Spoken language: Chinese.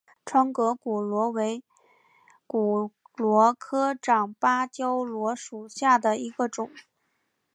窗格骨螺为骨螺科长芭蕉螺属下的一个种。